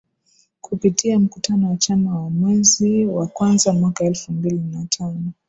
Kupitia mkutano wa chama wa mwezi wa kwanza mwaka elfu mbili na tano